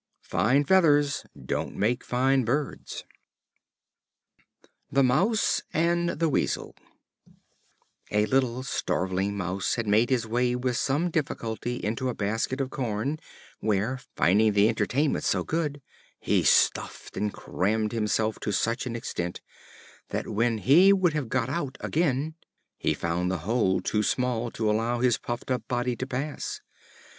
Fine feathers don't make fine birds. The Mouse and the Weasel. A little starveling Mouse had made his way with some difficulty into a basket of corn, where, finding the entertainment so good, he stuffed and crammed himself to such an extent, that when he would have got out again he found the hole was too small to allow his puffed up body to pass.